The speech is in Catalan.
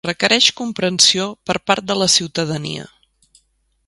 Requereix comprensió per part de la ciutadania.